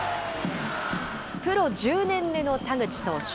プロ１０年目の田口投手。